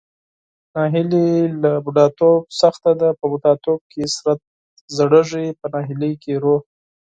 ناهیلي له بوډاتوب سخته ده، په بوډاتوب کې بدن زړیږي پۀ ناهیلۍ کې روح.